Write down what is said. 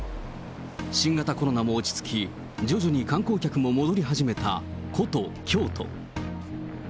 新型コロナも落ち着き、徐々に観光客も戻り始めた古都、京都。